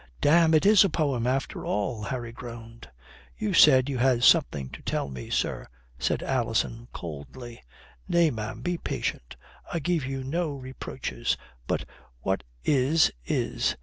"Damme, it is a poem after all," Harry groaned. "You said you had something to tell me, sir," said Alison coldly. "Nay, ma'am, be patient. I give you no reproaches. But what is, is.